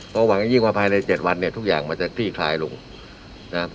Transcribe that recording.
ต่อหวังยิ่งว่าภายในเจ็ดวันเนี่ยทุกอย่างมันจะที่คลายลงนะครับ